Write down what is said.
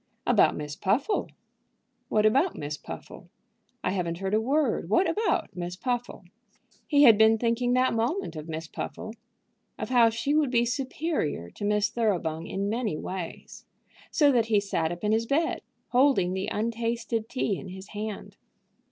"About Miss Puffle." "What about Miss Puffle? I haven't heard a word. What about Miss Puffle?" He had been thinking that moment of Miss Puffle, of how she would be superior to Miss Thoroughbung in many ways, so that he sat up in his bed, holding the untasted tea in his hand.